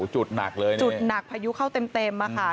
จุดหนักเลยนะจุดหนักพายุเข้าเต็มค่ะ